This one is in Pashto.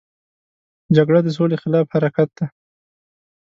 جګړه د سولې خلاف حرکت دی